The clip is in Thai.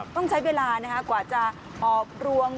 ต้องใช้เวลากว่าจะออกรวง